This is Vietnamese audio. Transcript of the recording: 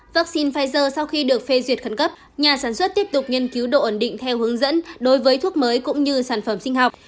vaccine pfizer sau khi được phê duyệt khẩn cấp nhà sản xuất tiếp tục nghiên cứu độ ẩn định theo hướng dẫn đối với thuốc mới cũng như sản phẩm sinh học